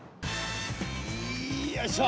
いよいしょ！